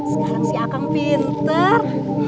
sekarang si akang pinter